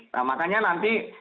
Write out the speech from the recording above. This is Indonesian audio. nah makanya nanti